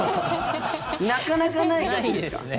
なかなかないんですね。